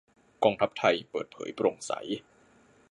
กองทัพไทย เปิดเผย โปร่งใส